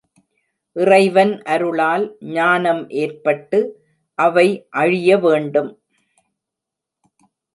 இறைவன் அருளால் ஞானம் ஏற்பட்டு அவை அழிய வேண்டும்.